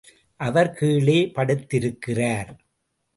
அவர் கீழே படுத்திருக்கிறார்.